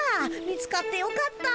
見つかってよかった。